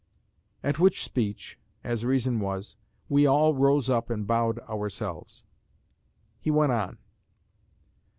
At which speech (as reason was) we all rose up and bowed ourselves. He went on.